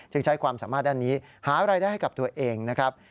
ใช้ความสามารถด้านนี้หารายได้ให้กับตัวเองนะครับ